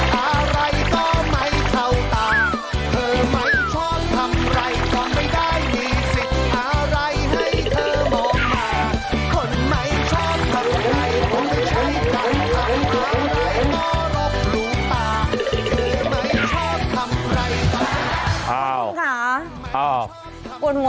ทำอะไรก็รบหรูป่าเธอไม่ชอบทำอะไรก็ไม่ได้มีสิทธิ์อะไรให้เธอมองมา